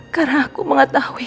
karena aku mengetahui